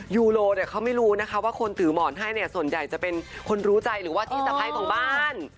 ยูโรเนี่ยเขาไม่รู้นะคะว่าคนถือหมอนให้เนี่ยส่วนใหญ่จะเป็นคนรู้ใจหรือว่าที่สะพ้ายของบ้าน